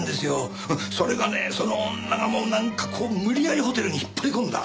それがねその女がもうなんかこう無理やりホテルに引っ張り込んだ。